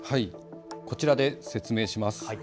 こちらで説明します。